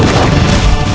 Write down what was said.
aku harus menolongnya